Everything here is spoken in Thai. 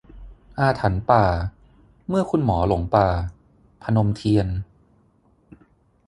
อาถรรพณ์ป่า : เมื่อคุณหมอหลงป่า - พนมเทียน